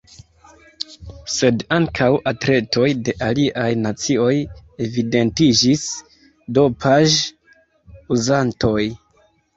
Sed ankaŭ atletoj de aliaj nacioj evidentiĝis dopaĵ-uzantoj.